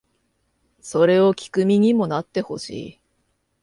それを聴く身にもなってほしい